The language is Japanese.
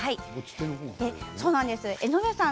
江上さん